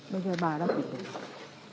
bây giờ bà đã chuyển đổi